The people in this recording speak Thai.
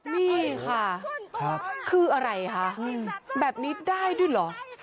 นี่ค่ะคืออะไรคะแบบนี้ได้ด้วยเหรอ